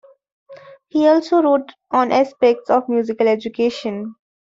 He also wrote on aspects of musical education.